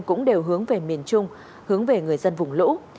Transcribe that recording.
cũng đều hướng về miền trung hướng về người dân vùng lũ